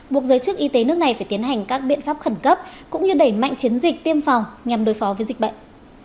buộc giới chức y tế nước này phải tiến hành các biện pháp khẩn cấp cũng như đẩy mạnh chiến dịch tiêm phòng nhằm đối phó với dịch bệnh